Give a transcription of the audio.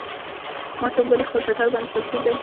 ما ټومبلی خپل ټټر باندې شمشېر دی